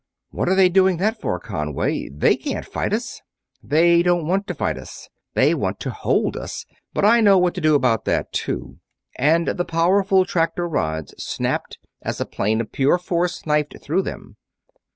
"What are they doing that for, Conway? They can't fight us!" "They don't want to fight us. They want to hold us, but I know what to do about that, too," and the powerful tractor rods snapped as a plane of pure force knifed through them.